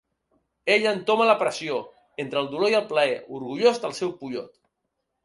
Ell entoma la pressió, entre el dolor i el plaer, orgullós del seu pollot.